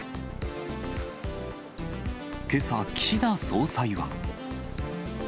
けさ、岸田総裁は。